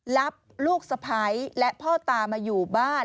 รับลูกสะพ้ายและพ่อตามาอยู่บ้าน